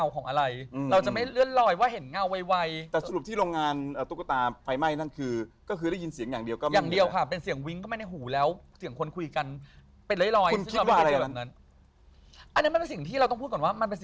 เข้าใจไหมว่าเสียงคนคุยกันเป็นร้อยมันต่อหน้าเรา